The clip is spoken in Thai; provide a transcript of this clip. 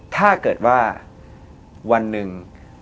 ถ้าเกิดว่าวันหนึ่ง